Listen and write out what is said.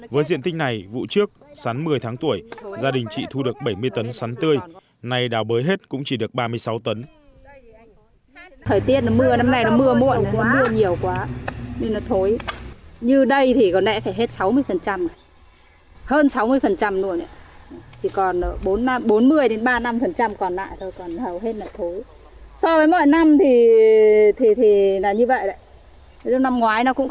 với diện tinh này vụ trước sắn một mươi tháng tuổi gia đình chị thu được bảy mươi tấn sắn tươi nay đào bới hết cũng chỉ được ba mươi sáu tấn